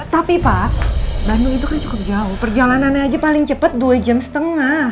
tapi pak bandung itu kan cukup jauh perjalanannya aja paling cepat dua jam setengah